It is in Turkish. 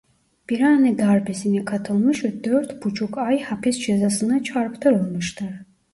Birahane Darbesi'ne katılmış ve dört buçuk ay hapis cezasına çarptırılmıştır.